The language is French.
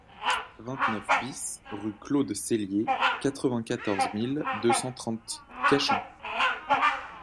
vingt-neuf BIS rue Claude Cellier, quatre-vingt-quatorze mille deux cent trente Cachan